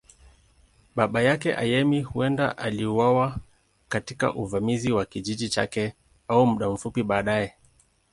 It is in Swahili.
Baba yake, Ayemi, huenda aliuawa katika uvamizi wa kijiji chake au muda mfupi baadaye.